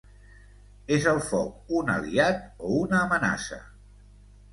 És el foc un aliat o una amenaça?